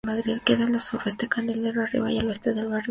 Queda al suroeste Candelero arriba, y al oeste el barrio Cataño.